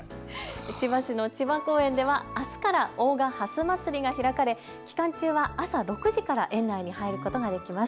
千葉市の千葉公園ではあすから大賀ハスまつりが開かれ期間中は朝６時から園内に入ることができます。